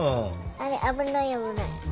あれ危ない危ない。